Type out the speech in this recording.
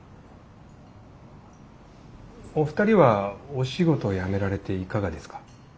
お二人はお仕事辞められていかがですか？